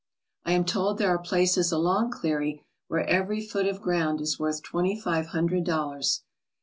I am told there are places along Cleary where every foot of ground is worth twenty five hundred dollars.